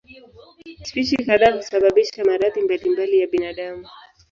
Spishi kadhaa husababisha maradhi mbalimbali ya binadamu.